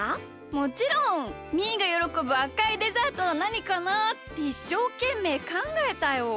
もちろん！みーがよろこぶあかいデザートはなにかなあ？っていっしょうけんめいかんがえたよ。